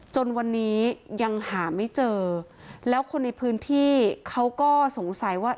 จนวันนี้ยังหาไม่เจอแล้วคนในพื้นที่เขาก็สงสัยว่า